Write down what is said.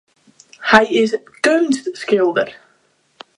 Hy is keunstskilder.